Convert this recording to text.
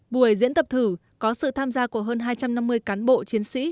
buổi diễn tập thử có sự tham gia của hơn hai trăm năm mươi cán bộ chiến sĩ